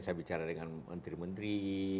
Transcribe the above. saya bicara dengan menteri menteri